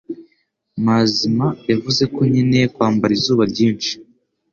Mazima yavuze ko nkeneye kwambara izuba ryinshi.